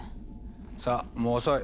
さあもう遅い。